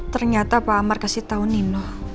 ternyata pak amar kasih tahu nino